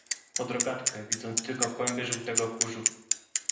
"pod rogatkę, widząc tylko kłęby żółtego kurzu."